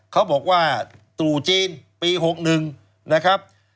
เขาบอกว่าตู่จีนปี๖๑นะครับ